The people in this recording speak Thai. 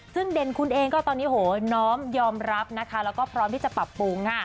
ซึ่งเด่นคุณเองก็ตอนนี้โหน้อมยอมรับนะคะแล้วก็พร้อมที่จะปรับปรุงค่ะ